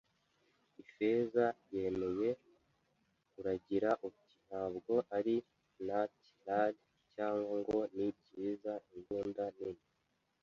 Ifeza yemeye; Uragira uti: "ntabwo ari nat'ral, cyangwa ngo ni byiza. Imbunda nini!